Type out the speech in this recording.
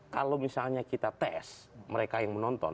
kalau misalnya kita tes mereka yang menonton